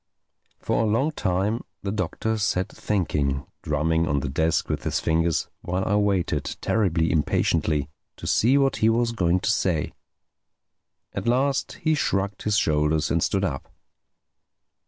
For a long time the Doctor sat thinking, drumming on the desk with his fingers, while I waited, terribly impatiently, to see what he was going to say. At last he shrugged his shoulders and stood up.